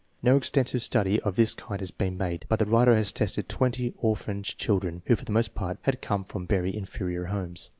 No extensive study of this kind has been made, but the writer has tested twenty or phanage children who, for the most part, had come from veiy inferior homes.